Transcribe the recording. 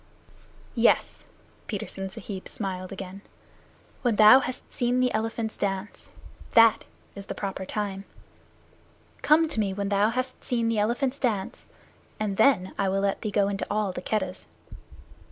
"Yes." Petersen Sahib smiled again. "When thou hast seen the elephants dance. That is the proper time. Come to me when thou hast seen the elephants dance, and then I will let thee go into all the Keddahs."